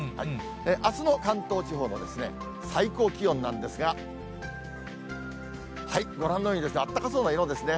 あすの関東地方の最高気温なんですが、ご覧のように暖かそうな色ですね。